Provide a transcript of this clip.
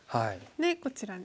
でこちらに。